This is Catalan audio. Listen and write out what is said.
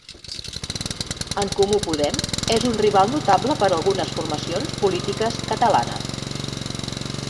En Comú Podem és un rival notable per a algunes formacions polítiques catalanes.